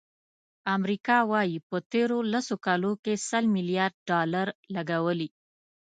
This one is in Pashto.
امریکا وایي، په تېرو لسو کالو کې سل ملیارد ډالر لګولي.